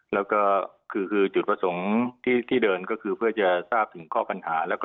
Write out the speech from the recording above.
แล้วก็คือจุดประสงค์ที่เดินก็คือเพื่อจะทราบถึงข้อกัณหา